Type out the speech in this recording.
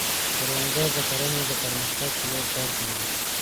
کروندګر د کرنې د پرمختګ په لور کار کوي